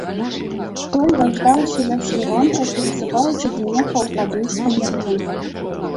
Той важдаўся ля свіронка, перасыпаючы з меха ў кадушку муку.